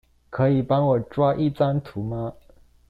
可以幫我抓一張圖嗎？